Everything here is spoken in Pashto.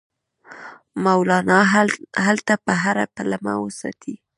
مولنا هلته په هره پلمه وساتي.